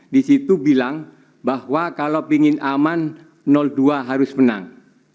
di situ bilang bahwa kalau ingin aman dua harus menang